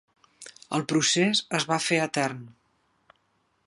El procés es va fer etern.